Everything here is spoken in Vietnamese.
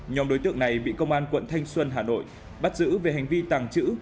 nhóm đối tượng này bị công an quận thanh xuân hà nội bắt giữ về hành vi tàng trữ